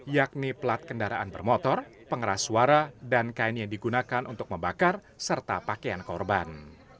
yakni plat kendaraan bermotor pengeras suara dan kain yang digunakan untuk membakar serta pakaian korban